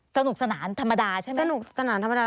สนุกสนานธรรมดาใช่ไหมสนุกสนานธรรมดา